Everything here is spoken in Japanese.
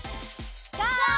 ゴー！